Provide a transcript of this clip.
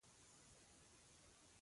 وایي دا سپی نجس دی او باید ورک شي.